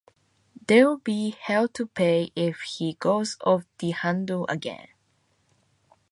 There'll be hell to pay if he goes off the handle again.